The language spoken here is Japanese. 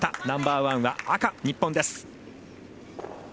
ナンバーワンは赤、日本です。